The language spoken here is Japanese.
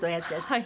はい。